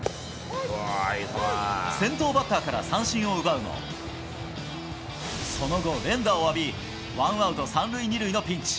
先頭バッターから三振を奪うも、その後、連打を浴び、ワンアウト３塁２塁のピンチ。